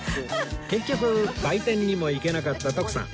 結局売店にも行けなかった徳さん